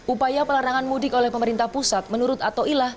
upaya pelarangan mudik oleh pemerintah pusat menurut atoilah